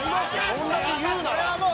そんだけ言うなら。